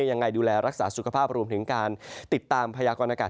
ยังไงดูแลรักษาสุขภาพรวมถึงการติดตามพยากรณากาศ